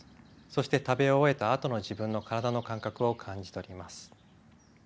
そして食べ終えたあとの自分の体の感覚を感じ取ります。